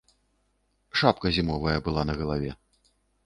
Шапка зімовая была на галаве.